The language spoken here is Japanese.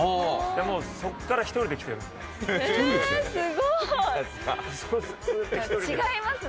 もうそこから１人で来てるんです。